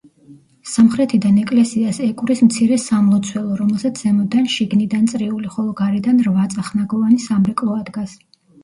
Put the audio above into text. სამხრეთიდან ეკლესიას ეკვრის მცირე სამლოცველო, რომელსაც ზემოდან შიგნიდან წრიული, ხოლო გარედან რვაწახნაგოვანი სამრეკვლო ადგას.